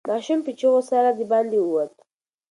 ماشوم په چیغو سره د باندې ووت.